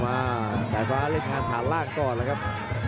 พยายามจะไถ่หน้านี่ครับการต้องเตือนเลยครับ